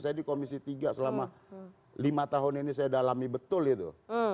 saya di komisi tiga selama lima tahun ini saya dalami betul itu